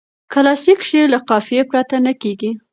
کلاسیک شعر له قافیه پرته نه کیږي.